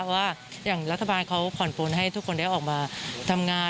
ว่าอย่างรัฐบาลเขาผ่อนปนให้ทุกคนได้ออกมาทำงาน